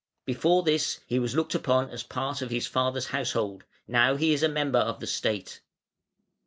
Before this he was looked upon as part of his father's household now he is a member of the State.